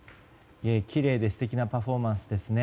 きれいで素敵なパフォーマンスですね。